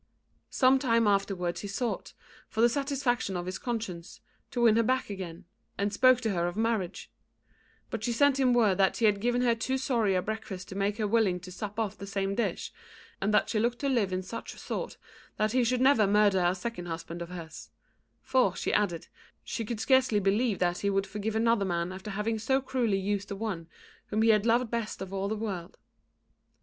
Some time afterwards he sought, for the satisfaction of his conscience, to win her back again, and spoke to her of marriage; but she sent him word that he had given her too sorry a breakfast to make her willing to sup off the same dish, and that she looked to live in such sort that he should never murder a second husband of hers; for, she added, she could scarcely believe that he would forgive another man after having so cruelly used the one whom he had loved best of all the world.